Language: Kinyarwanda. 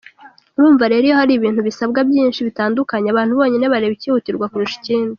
Urumva rero iyo hari ibintu bisabwa byinshi, bitandukanye, abantu nyine bareba icyihutirwa kurusha ikindi.